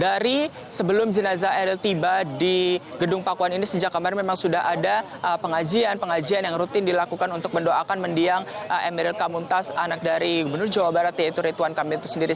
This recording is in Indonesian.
dari sebelum jenazah eril tiba di gedung pakuan ini sejak kemarin memang sudah ada pengajian pengajian yang rutin dilakukan untuk mendoakan mendiang emeril kamuntas anak dari gubernur jawa barat yaitu rituan kamil itu sendiri